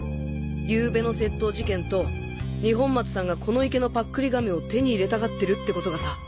ゆうべの窃盗事件と二本松さんがこの池のパックリ亀を手に入れたがってるってことがさ。